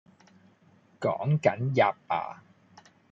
「趕緊喫罷！」